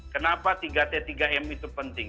kenapa tiga t tiga m itu penting